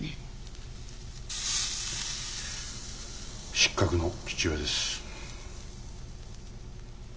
失格の父親です。